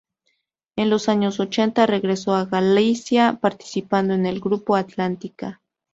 En los años ochenta regresó a Galicia, participando en el grupo Atlántica.